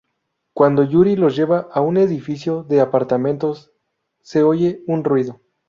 Cuando Yuri los lleva a un edificio de apartamentos, se oye un ruido.